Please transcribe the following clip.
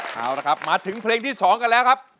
เอาละครับมาถึงเพลงที่๒กันแล้วครับ